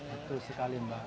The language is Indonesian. betul sekali mba